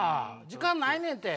時間ないねんって。